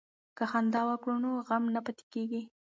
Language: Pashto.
که خندا وکړو نو غم نه پاتې کیږي.